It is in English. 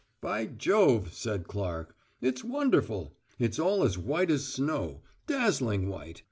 "By Jove," said Clark. "It's wonderful. It's all as white as snow, dazzling white.